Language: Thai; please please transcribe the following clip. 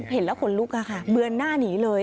เห็นแล้วขนลุกอะค่ะเบือนหน้าหนีเลย